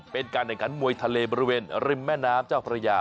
เป็นการแข่งขันมวยทะเลบริเวณริมแม่น้ำเจ้าพระยา